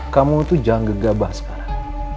kamu itu jangan gegabah sekarang